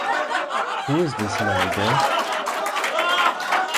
Who's this man, Beth?